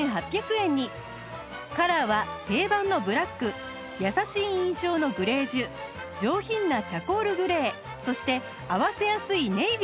カラーは定番のブラック優しい印象のグレージュ上品なチャコールグレーそして合わせやすいネイビーの４色